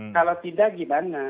kalau tidak gimana